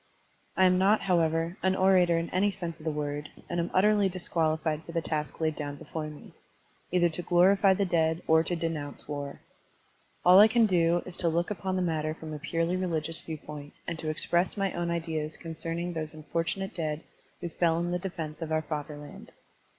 I am not, however, an orator in any sense of the word, and am utterly disqualified for the task laid down before me, either to glorify the dead or to denotmce war. All that I can do is to look upon the matter from a purely religious viewpoint and to express my own ideas concern ing those unf ortimate dead who fell in the defense of our fatherland.